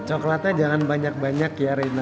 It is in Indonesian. coklatnya jangan banyak banyak ya rina